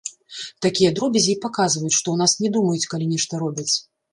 Такія дробязі і паказваюць, што ў нас не думаюць, калі нешта робяць.